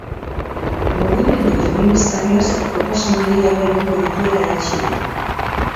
Mugimendu feministak laster proposamen gehiago egingo dituela erantsi du.